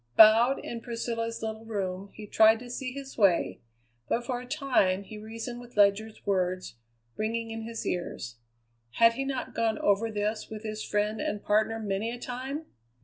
Bowed in Priscilla's little room he tried to see his way, but for a time he reasoned with Ledyard's words ringing in his ears. Had he not gone over this with his friend and partner many a time?